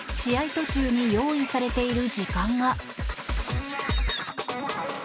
途中に用意されている時間が。